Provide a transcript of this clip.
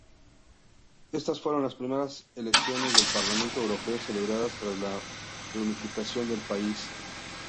Estas fueron las primeras elecciones al Parlamento Europeo celebradas tras la reunificación del país.